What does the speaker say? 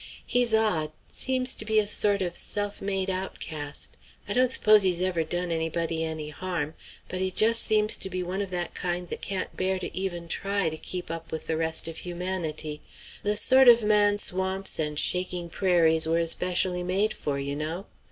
He's odd seems to be a sort of self made outcast. I don't suppose he's ever done anybody any harm; but he just seems to be one of that kind that can't bear to even try to keep up with the rest of humanity; the sort of man swamps and shaking prairies were specially made for, you know.